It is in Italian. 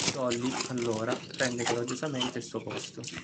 Dolly, allora, prende coraggiosamente il suo posto.